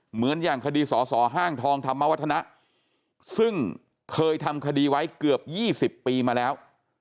เหมือนอย่างคดีสอสอห้างทองธรรมวัฒนะซึ่งเคยทำคดีไว้เกือบ๒๐ปีมาแล้ว